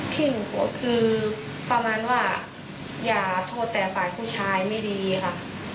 ที่หนูโพสต์คือประมาณว่าอย่าโทษแต่ฝ่ายผู้ชายไม่ดีค่ะ